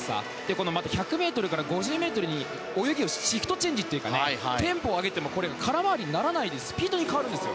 このまた１００ｍから５０ｍに泳ぎをシフトチェンジというかテンポを上げてこれ、空回りにならないでスピードに変わるんです。